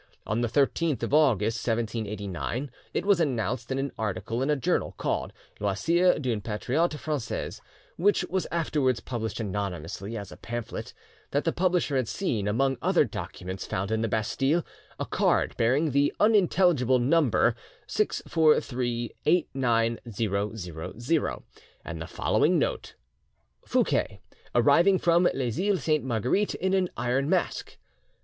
On the 13th of August 1789 it was announced in an article in a journal called 'Loisirs d'un Patriote francais', which was afterwards published anonymously as a pamphlet, that the publisher had seen, among other documents found in the Bastille, a card bearing the unintelligible number "64389000," and the following note: "Fouquet, arriving from Les Iles Sainte Marguerite in an iron mask."